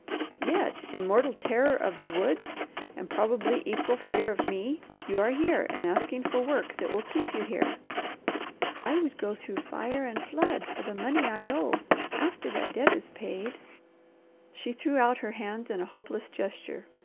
"Yet in mortal terror of the woods, and probably equal fear of me, you are here and asking for work that will keep you here." "I would go through fire and flood for the money I owe. After that debt is paid " She threw out her hands in a hopeless gesture.